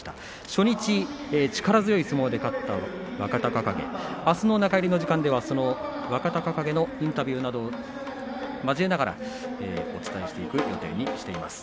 初日、力強い相撲で勝った若隆景あすの中入りの時間では若隆景のインタビューなども交えながらお伝えしていく予定にしています。